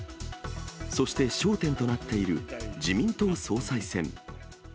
そして、焦点となっている自民党総裁選。